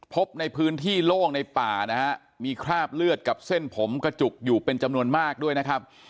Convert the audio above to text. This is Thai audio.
พบในพื้นที่โล่งในป่านะฮะมีคราบเลือดกับเส้นผมกระจุกอยู่เป็นจำนวนมากด้วยนะครับ